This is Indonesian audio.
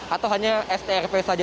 atau hanya strp saja